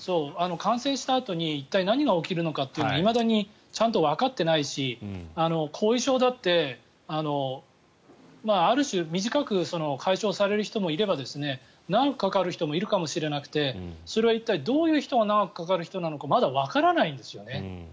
感染したあとに一体、何が起きるのかというのはいまだにちゃんとわかっていないし後遺症だってある種短く解消される人もいれば長くかかる人もいるかもしれなくてそれは一体どういう人が長くかかる人なのかまだわからないんですよね。